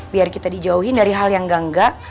biar kita dijauhin dari hal yang gangga